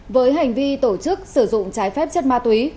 với hành vi tổ chức sử dụng trái phép chất ma túy